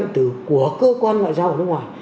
điện tử của cơ quan ngoại giao ở nước ngoài